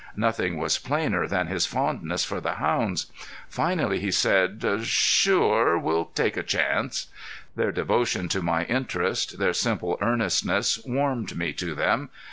Nothing was plainer than his fondness for the hounds. Finally he said: "Sure. We'll take a chance." Their devotion to my interest, their simple earnestness, warmed me to them.